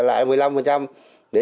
lấy tiền chi phí